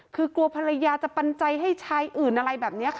คือกลัวภรรยาจะปันใจให้ชายอื่นอะไรแบบนี้ค่ะ